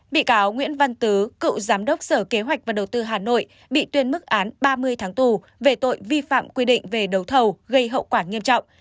bị cáo nguyễn văn tứ cựu giám đốc sở kế hoạch và đầu tư hà nội bị tuyên mức án ba mươi tháng tù về tội vi phạm quy định về đấu thầu gây hậu quả nghiêm trọng